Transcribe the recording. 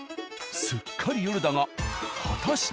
すっかり夜だが果たして？